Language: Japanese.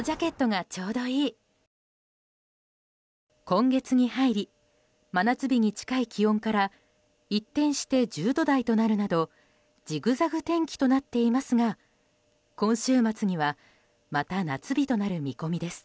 今月に入り真夏日に近い気温から一転して１０度台となるなどジグザグ天気となっていますが今週末にはまた夏日となる見込みです。